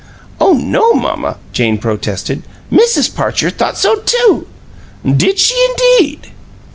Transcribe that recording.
"Oh no, mamma!" Jane protested. "Mrs. Parcher thought so, too." "Did she, indeed!"